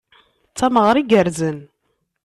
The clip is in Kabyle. D tameɣra igerrzen.